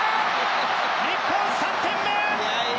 日本、３点目！